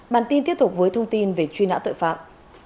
bản tin tiếp tục với thông tin về truy nã tội phạm